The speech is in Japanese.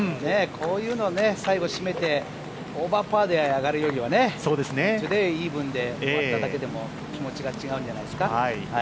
こういうのを最後、締めてオーバーパーであがるよりは、トゥデーイーブンで終われただけでも気持ちは違うんじゃないですか。